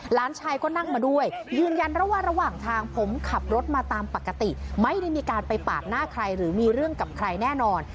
หลานชายก็นั่งมาด้วยยืนยันระหว่างทางผมขับรถมาตามปกติไม่ได้มีการไปปาดหน้าใครหรือมีเรื่องกับใครแน่นอน